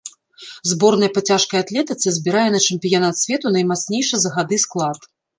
Зборная па цяжкай атлетыцы збірае на чэмпіянат свету наймацнейшы за гады склад.